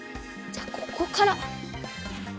じゃあここから！